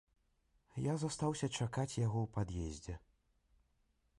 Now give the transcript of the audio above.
Я застаўся чакаць яго ў пад'ездзе.